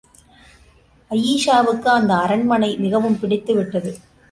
அயீஷாவுக்கு அந்த அரண்மனை மிகவும் பிடித்துவிட்டது.